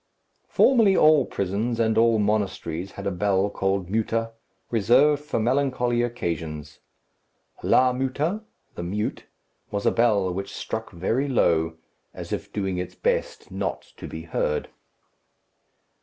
Formerly all prisons and all monasteries had a bell called Muta, reserved for melancholy occasions. La Muta (the mute) was a bell which struck very low, as if doing its best not to be heard.